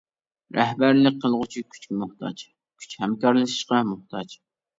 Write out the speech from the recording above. رەھبەرلىك قىلغۇچى كۈچكە موھتاج، كۈچ ھەمكارلىشىشقا موھتاج.